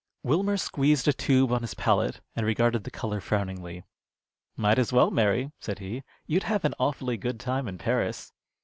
Wilmer squeezed a tube on his palette and regarded the color frowningly. "Might as well, Mary," said he. "You'd have an awfully good time in Paris."